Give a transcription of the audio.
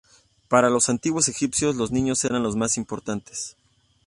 Para los antiguos egipcios, los niños eran lo más importante.